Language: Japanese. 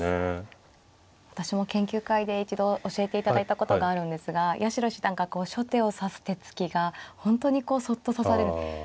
私も研究会で一度教えていただいたことがあるんですが八代七段がこう初手を指す手つきが本当にこうそっと指される。